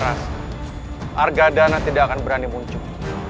harga dana tidak akan berani muncul